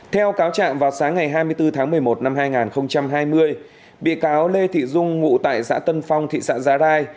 theo cáo trạng vào sáng ngày hai mươi bốn tháng một mươi một năm hai nghìn hai mươi bị cáo lê thị dung ngụ tại xã tân phong thị xã giá rai